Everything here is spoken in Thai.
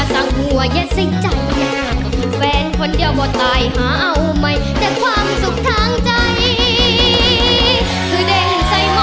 ลันย่าลำสวยแล้วแต่ย่าเขาลำไม่สวยเอง